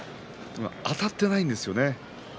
あたってないんですよね